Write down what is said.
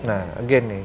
nah again nih